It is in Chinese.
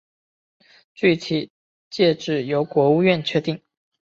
具体界址由国务院确定。